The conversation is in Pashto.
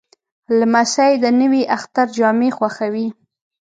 لمسی د نوي اختر جامې خوښوي.